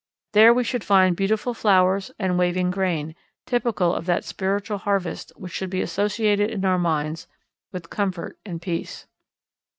There we should find beautiful flowers and waving grain, typical of that spiritual harvest which should be associated in our minds with comfort and peace.